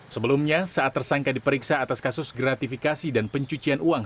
sebelumnya saat tersangka diperiksa atas kasus gratifikasi dan pencucian uang